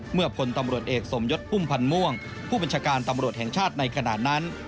พลตำรวจเอกสมยศพุ่มพันธ์ม่วงผู้บัญชาการตำรวจแห่งชาติในขณะนั้น